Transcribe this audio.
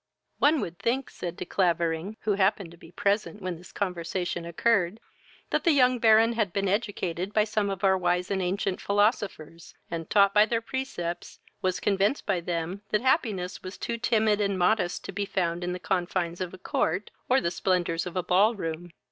"One would think (said De Clavering, who happened to be present when this conversation occurred) that the young Baron had been educated by some of our wise and ancient philosophers, and, taught by their precepts, was convinced by them that happiness was too timid and modest to be found in the confines of a court, or the splendors of a ball room.